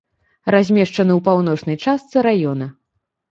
Размешчаны ў паўночнай частцы раёна.